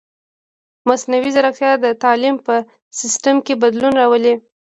مصنوعي ځیرکتیا د تعلیم په سیستم کې بدلون راولي.